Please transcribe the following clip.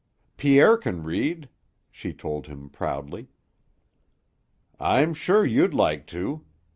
Pierre can read," she told him proudly. "I'm sure you'd like to."